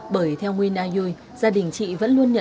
bởi theo nguyên a duy gia đình chị vẫn luôn nhận được thông tin